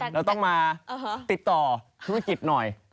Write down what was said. เราต้องมาติดต่อธุรกิจหน่อย